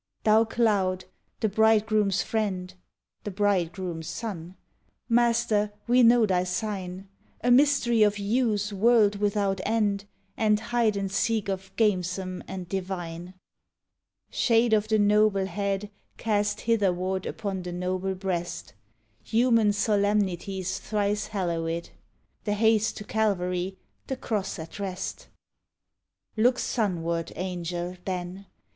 Thou Cloud, the bridegroom's friend (The bridegroom sun)! Master, we know thy sign: A mystery of hues world without end; And hide and seek of gamesome and divine; Shade of the noble head Cast hitherward upon the noble breast; Human solemnities thrice hallowèd; The haste to Calvary, the Cross at rest. Look sunward, Angel, then!